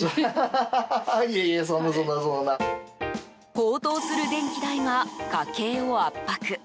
高騰する電気代が家計を圧迫。